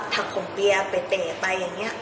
ถักผมเบียบไปเตะไปอย่างเนี้ย